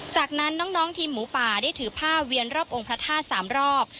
จากนั้นน้องทีมหมูป่าได้ถือผ้าเวียนรอบองค์พระธาตุ๓รอบ